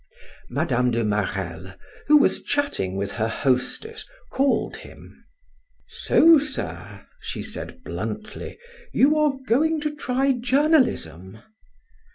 Mme. de Marelle, who was chatting with her hostess, called him: "So, sir," she said bluntly, "you are going to try journalism?"